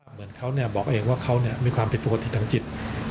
เหมือนเขาบอกเองว่าเขามีความผิดปกติทางจิต